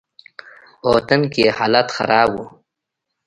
په وطن کښې حالات خراب وو.